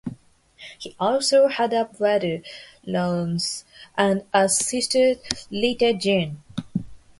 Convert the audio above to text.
He also had a brother, Lawrence, and a sister, Rita Jane.